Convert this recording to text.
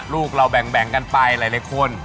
ลูกเราแบ่งกันไปหลายคน